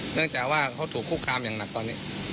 เนื่องจากว่าเขาถูกคุกคามอย่างหนักตอนนี้